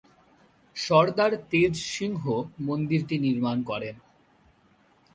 সরদার তেজ সিংহ মন্দিরটি নির্মাণ করেন।